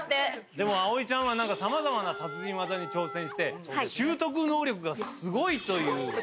でも葵ちゃんはさまざまな達人技に挑戦して習得能力がすごいという。